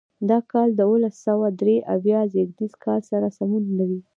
دا کال د اوولس سوه درې اویا زېږدیز کال سره سمون لري.